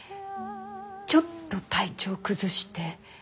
ちょっと体調崩して。